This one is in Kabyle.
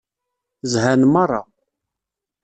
Zhan meṛṛa.